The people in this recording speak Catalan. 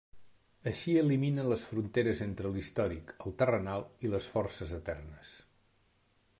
Així elimina les fronteres entre l'històric, el terrenal i les forces eternes.